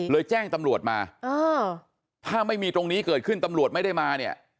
แจ้งตำรวจมาถ้าไม่มีตรงนี้เกิดขึ้นตำรวจไม่ได้มาเนี่ย